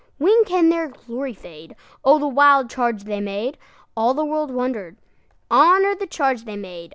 When can their glory fade?O the wild charge they made! All the world wonder'd. Honor the charge they made!